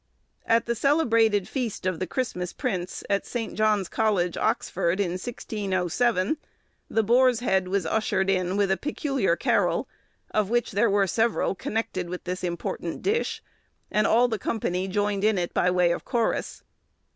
At the celebrated feast of the 'Christmas Prince,' at St. John's College, Oxford, in 1607, the boar's head was ushered in with a peculiar carol, of which there were several connected with this important dish, and all the company joined in it by way of chorus.